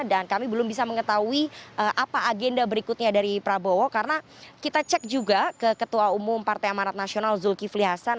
dan kami belum bisa mengetahui apa agenda berikutnya dari prabowo karena kita cek juga ke ketua umum partai amarat nasional zulkifli hasan